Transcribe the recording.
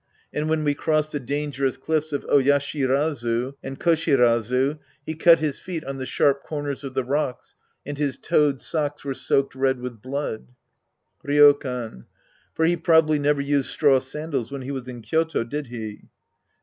And when we crossed the dangerous cliffs of Oyashirazu and Ko shirazu, he cut his feet on the sharp corners o^ the rocks and his toed socks were soaked red with blood. Ryokan. For he probably never used straw sandals wlien he was in Kyoto, did he